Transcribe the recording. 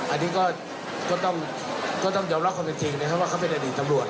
อันนี้ก็ต้องยอมรับความเป็นจริงนะครับว่าเขาเป็นอดีตตำรวจ